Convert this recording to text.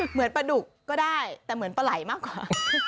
เหมือนปลาดุกก็ได้แต่เหมือนปลาไหล่มากกว่า